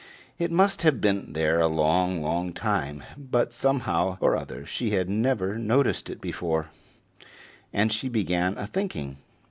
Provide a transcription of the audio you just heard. It must have been there a long, long time, but somehow or other she had never noticed it before, and she began a thinking.